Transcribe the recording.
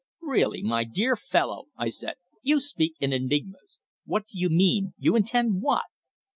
"Really, my dear fellow," I said, "you speak in enigmas. What do you mean you intend what?"